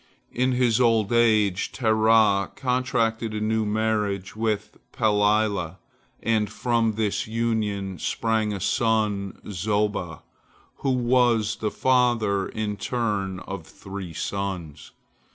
In his old age Terah contracted a new marriage with Pelilah, and from this union sprang a son Zoba, who was the father in turn of three sons.